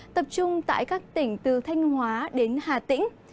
tập trung tại các tỉnh từ thanh hóa đến hà tĩnh